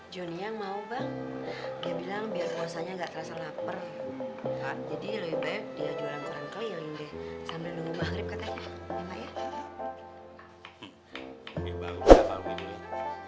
jadi lebih baik dia jualan koran keliung deh